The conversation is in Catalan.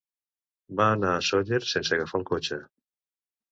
Va anar a Sóller sense agafar el cotxe.